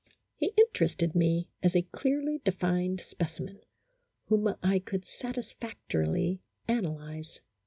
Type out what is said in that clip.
, He interested me as a clearly defined specimen, whom I could satisfactorily analyze.